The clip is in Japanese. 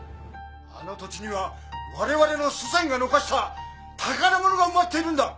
あの土地には我々の祖先が残した宝物が埋まっているんだ！